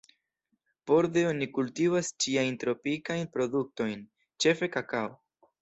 Borde oni kultivas ĉiajn tropikajn produktojn, ĉefe kakao.